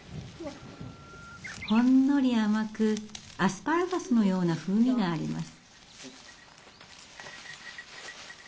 ほんのり甘くアスパラガスのような風味があります。